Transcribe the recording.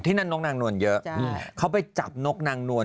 นั่นนกนางนวลเยอะเขาไปจับนกนางนวล